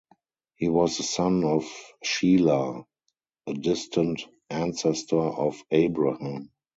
He was the son of Shelah a distant ancestor of Abraham.